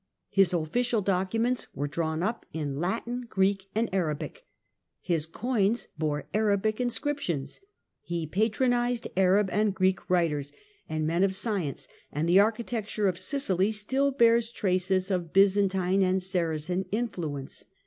His official documents were drawn up in Latin, Greek and Arabic, his coins bore Arabic inscriptions, he patronized Arab and Greek writers and men of science, and the architecture of Sicily still bears traces of Byzantine and Saracen influence.